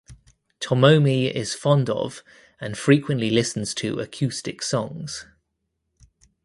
Tomomi is fond of and frequently listens to acoustic songs.